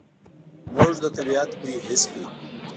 موږ د طبعیت بوی حس کړ.